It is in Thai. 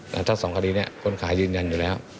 แต่ถ้าสองคดีนี้คนขายยืนยันอยู่แล้ว